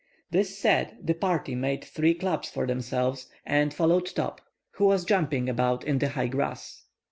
This said, the party made three clubs for themselves, and followed Top, who was jumping about in the high grass.